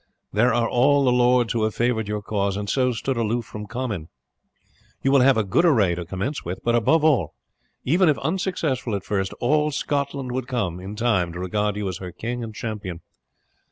There are all the lords who have favoured your cause, and so stood aloof from Comyn. You will have a good array to commence with; but above all, even if unsuccessful at first, all Scotland would come in time to regard you as her king and champion.